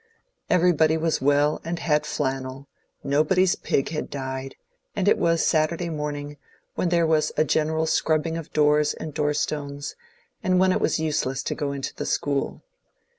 Everybody was well and had flannel; nobody's pig had died; and it was Saturday morning, when there was a general scrubbing of doors and door stones, and when it was useless to go into the school.